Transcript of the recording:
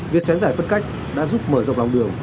việc xén giải phân cách đã giúp mở rộng lòng đường